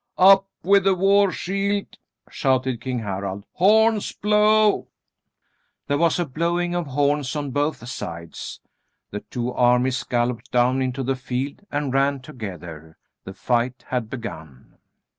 "Up with the war shield!" shouted King Harald. "Horns blow!" There was a blowing of horns on both sides. The two armies galloped down into the field and ran together. The fight had begun.